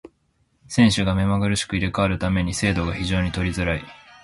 運手が目まぐるしく入れ替わる為に精度が非常に取りづらい。